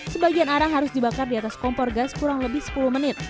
sebagian arang harus dibakar di atas kompor gas kurang lebih sepuluh menit